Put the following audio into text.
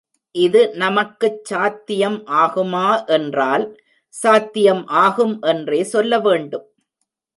இது நமக்குச் சாத்தியம் ஆகுமா என்றால், சாத்தியம் ஆகும் என்றே சொல்ல வேண்டும்.